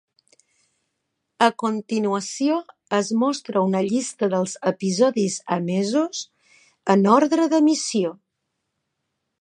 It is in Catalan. A continuació es mostra una llista dels episodis emesos, en ordre d'emissió.